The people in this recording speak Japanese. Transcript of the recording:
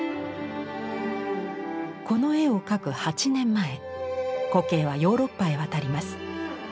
この絵を描く８年前古径はヨーロッパへ渡ります。